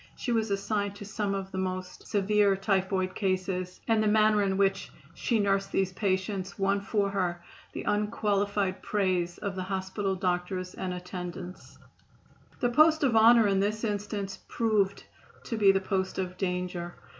She was assigned to some of the severest typhoid cases, and the manner in which she nursed these patients won for her the unqualified praise of the hospital doctors and attendants. [Illustration: OBSEQUIES OF SISTER MARY LUCY.] The post of honor in this instance proved to be the post of danger.